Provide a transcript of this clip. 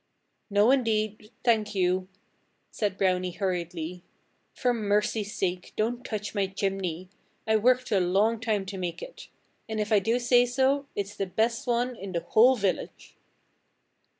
"No, indeed thank you!" said Brownie hurriedly. "For mercy's sake, don't touch my chimney! I worked a long time to make it. And if I do say so, it's the best one in the whole village."